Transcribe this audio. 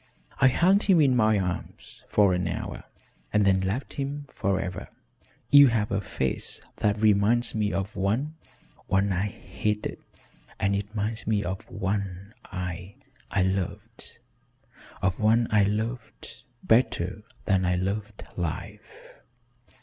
I held him in my arms for an hour and then left him forever. You have a face that reminds me of one one I hated and it minds me of one I I loved, of one I loved better than I loved life."